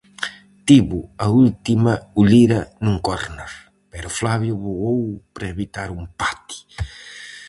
Tivo a última o Lira nun córner, pero Flavio voou para evitar o empate.